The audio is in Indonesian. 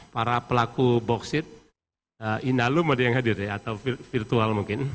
para pelaku boksit inalum ada yang hadir ya atau virtual mungkin